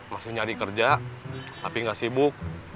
masih nyari kerja tapi nggak sibuk